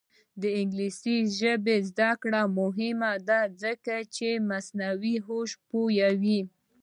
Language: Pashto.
د انګلیسي ژبې زده کړه مهمه ده ځکه چې مصنوعي هوش پوهوي.